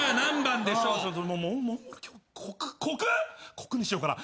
国にしようかな。